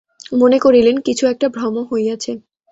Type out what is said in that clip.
মনে করিলেন, কিছু একটা ভ্রম হইয়াছে।